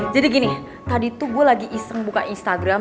jadi gini tadi tuh gue lagi iseng buka instagram